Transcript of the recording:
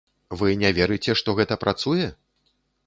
Вы не верыце, што гэта працуе?